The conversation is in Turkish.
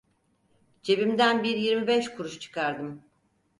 Cebimden bir yirmi beş kuruşluk çıkardım.